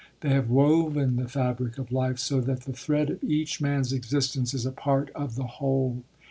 They have woven the fabric of life so that the thread of each man's existence is a part of the whole.